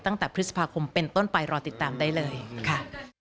ตั้งแต่พฤษภาคมเป็นต้นไปรอติดตามได้เลยค่ะ